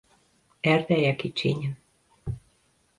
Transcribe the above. Erdeje kicsiny.